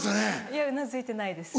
いやうなずいてないです。